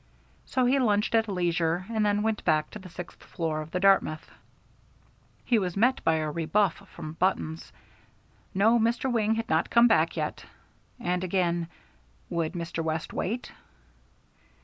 So he lunched at leisure and then went back to the sixth floor of the Dartmouth. He was met by a rebuff from Buttons. "No, Mr. Wing had not come back yet," and again "Would Mr. West wait?"